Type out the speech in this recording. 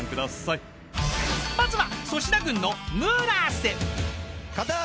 ［まずは］